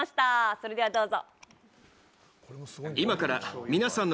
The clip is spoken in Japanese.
それではどうぞ。